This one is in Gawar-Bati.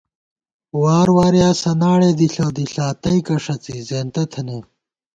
وار وارے یا سناڑے دِݪہ دِݪا تئیکہ ݭڅی زېنتہ تھنَئیم